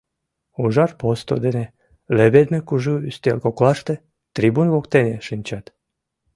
Ужар посто дене леведме кужу ӱстел коклаште, трибун воктене, шинчат.